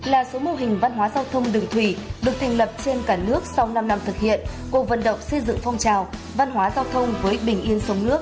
một nghìn sáu trăm một mươi tám là số mô hình văn hóa giao thông đường thủy được thành lập trên cả nước sau năm năm thực hiện của vận động xây dựng phong trào văn hóa giao thông với bình yên sống nước